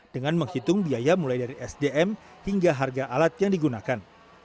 dengan menghitung biaya mulai dari sdm hingga harga alat yang digunakan